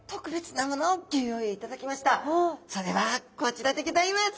なんと今回それはこちらでギョざいます。